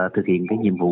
thực hiện những nhiệm vụ